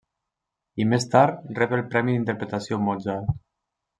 I més tard rep el premi Interpretació Mozart.